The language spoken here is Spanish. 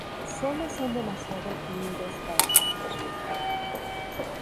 Solo son demasiado tímidos para admitirlo.